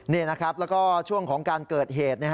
นี่นะครับแล้วก็ช่วงของการเกิดเหตุ